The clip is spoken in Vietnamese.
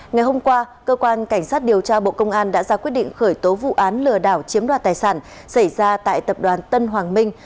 ngày hôm qua cơ quan cảnh sát điều tra bộ công an đã ra quyết định khởi tố vụ án lừa đảo chiếm đoạt tài sản xảy ra tại tập đoàn tân hoàng minh